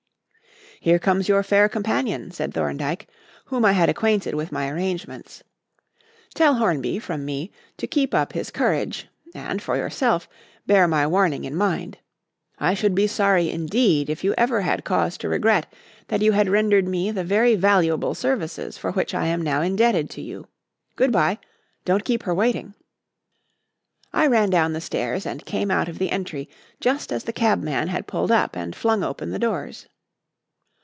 "Here comes your fair companion," said Thorndyke, whom I had acquainted with my arrangements, "Tell Hornby, from me, to keep up his courage, and, for yourself, bear my warning in mind. I should be sorry indeed if you ever had cause to regret that you had rendered me the very valuable services for which I am now indebted to you. Good bye; don't keep her waiting." I ran down the stairs and came out of the entry just as the cabman had pulled up and flung open the doors.